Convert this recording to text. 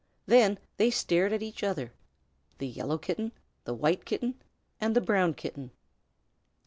Then they stared at each other the Yellow Kitten, the White Kitten, and the Brown Kitten.